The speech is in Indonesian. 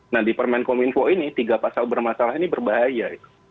nah di permen kominfo ini tiga pasal bermasalah ini berbahaya